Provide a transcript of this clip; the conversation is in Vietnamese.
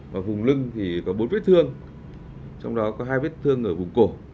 và vùng lưng thì có bốn vết thương trong đó có hai vết thương ở vùng cổ